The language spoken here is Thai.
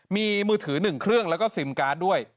มีมือถือ๑เครื่องแล้วก็ซิมการ์ดด้วย